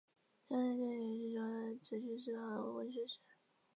主要研究领域是中国哲学史和文学史。